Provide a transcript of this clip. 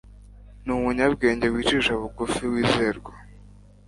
Ni umunyabwenge wicisha bugufi wizerwa